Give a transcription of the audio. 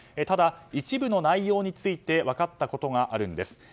ただ、一部の内容について分かったことがあるんです。